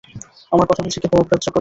আমার কথা বুঝি কেহ গ্রাহ্য করে।